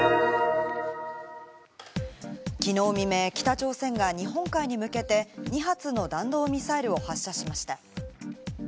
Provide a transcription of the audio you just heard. きのう未明、北朝鮮が日本海に向けて２発の弾道ミサイルを発射しました。